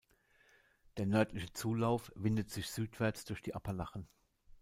Der nördliche Zulauf windet sich südwärts durch die Appalachen.